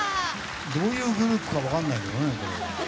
どういうグループか分からないけどね。